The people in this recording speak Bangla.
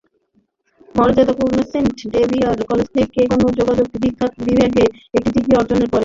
মর্যাদাপূর্ণ সেন্ট জেভিয়ার কলেজ থেকে গণযোগাযোগ বিভাগে একটি ডিগ্রি অর্জনের পরে, তিনি টেলিভিশন ও চলচ্চিত্র প্রযোজনায় একটি কোর্সও করেছিলেন।